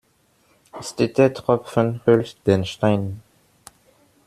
Steter Tropfen höhlt den Stein.